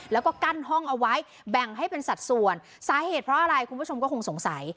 แล้วก็กั้นห้องเอาไว้แบ่งให้เป็นสัดส่วนสาเหตุเพราะอะไรคุณผู้ชมก็คงสงสัย